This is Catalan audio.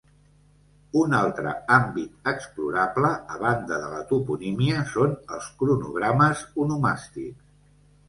Un altre àmbit explorable, a banda de la toponímia, són els cronogrames onomàstics.